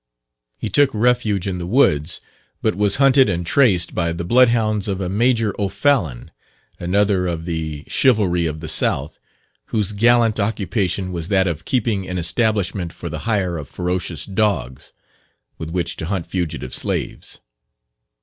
He took refuge in the woods, but was hunted and "traced" by the blood hounds of a Major O'Fallon, another of "the chivalry of the South," whose gallant occupation was that of keeping an establishment for the hire of ferocious dogs with which to hunt fugitive slaves.